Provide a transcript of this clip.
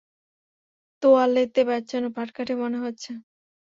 তোয়ালেতে প্যাচানো পাটকাঠি মনে হচ্ছে!